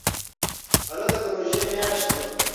هلته د روژې میاشت وه.